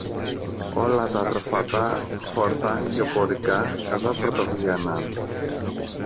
Όλα τα τροφαντά χόρτα και οπωρικά εδώ πρωτοβγαίναν.